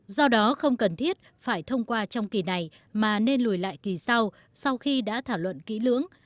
do đó không cần thiết phải thông qua trong kỳ này mà nên lùi lại kỳ sau sau khi đã thảo luận kỹ lưỡng